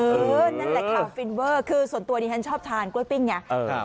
เออนั่นแหละค่ะคือส่วนตัวนี้ฉันชอบทานกล้วยปิ้งเนี่ยเออ